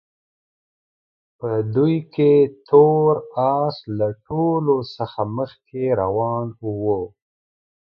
په دوی کې تور اس له ټولو څخه مخکې روان وو.